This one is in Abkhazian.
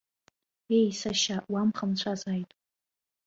Ее, сашьа, уамхамцәазааит!